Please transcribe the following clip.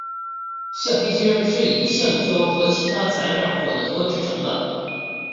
橡皮筋是以橡胶和其他材料混合制成的。